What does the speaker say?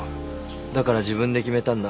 だから自分で決めたんだ。